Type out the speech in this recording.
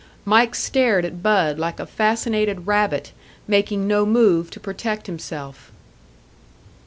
Mike stared at Bud like a fascinated rabbit, making no move to protect himself.